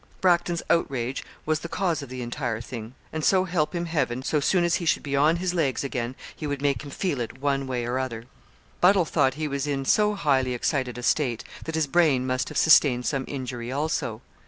Bracton's outrage was the cause of the entire thing and so help him Heaven, so soon as he should be on his legs again, he would make him feel it, one way or other. Buddle thought he was in so highly excited a state, that his brain must have sustained some injury also.